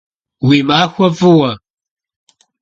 Vui maxue f'ıue!